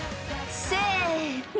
［せの］